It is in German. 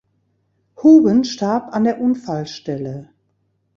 Houben starb an der Unfallstelle.